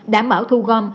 đảm bảo thu gom